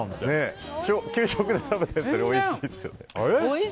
給食で食べたやつよりおいしい！